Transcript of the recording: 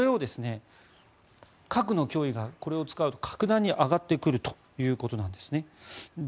核の脅威がこれを使うと格段に上がってくるということなんです。